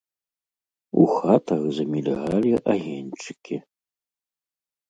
У хатах замільгалі агеньчыкі.